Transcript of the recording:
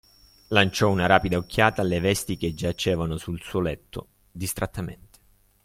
Lanciò una rapida occhiata alle vesti che giacevano sul suo letto, distrattamente.